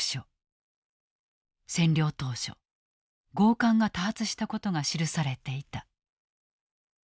占領当初強姦が多発したことが記されていた。